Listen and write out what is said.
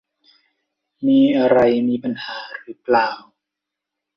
มีอะไรมีปัญหาหรือเปล่า